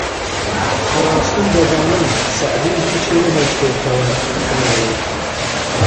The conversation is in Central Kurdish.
! بەڕاستی دەزانم سەعدی هیچی نەهێشتۆتەوە کە نەیڵێت